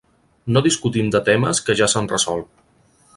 No discutim de temes que ja s'han resolt.